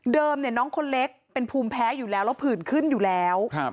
น้องคนเล็กเป็นภูมิแพ้อยู่แล้วแล้วผื่นขึ้นอยู่แล้ว